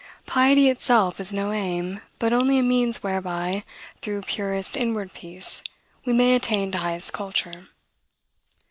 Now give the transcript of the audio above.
"Piety itself is no aim, but only a means whereby, through purest inward peace, we may attain to highest culture."